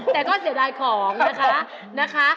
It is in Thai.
แต่ก็เสียดายของนะคะ